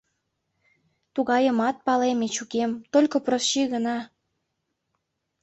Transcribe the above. Тугайымат палем, Эчукем, только Просчи гына!